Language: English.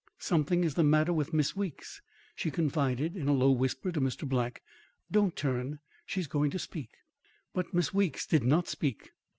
"Something is the matter with Miss Weeks," she confided in a low whisper to Mr. Black. "Don't turn; she's going to speak." But Miss Weeks did not speak.